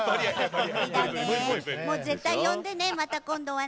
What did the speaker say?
絶対に呼んでね、また今度はね。